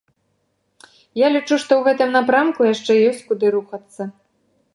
Я лічу, што ў гэтым напрамку яшчэ ёсць куды рухацца.